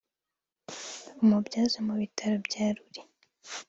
umubyaza mu bitaro bya Ruli